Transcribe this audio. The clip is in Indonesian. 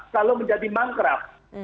kalau menjadi manggraf